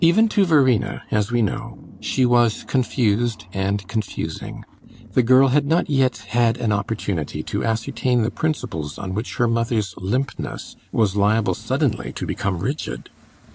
Even to Verena, as we know, she was confused and confusing; the girl had not yet had an opportunity to ascertain the principles on which her mother's limpness was liable suddenly to become rigid.